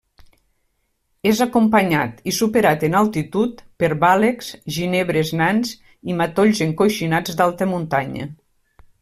És acompanyat i superat en altitud per bàlecs, ginebres nans i matolls encoixinats d'alta muntanya.